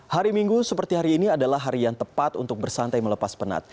hari minggu seperti hari ini adalah hari yang tepat untuk bersantai melepas penat